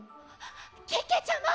けけちゃま！